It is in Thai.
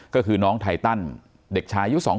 ก็คือน้องไทตันเด็กชายุ๒